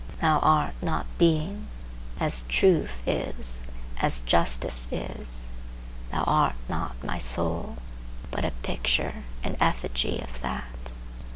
Thou art not Being, as Truth is, as Justice is,—thou art not my soul, but a picture and effigy of that.